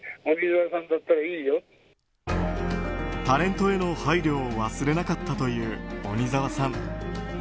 タレントへの配慮を忘れなかったという鬼沢さん。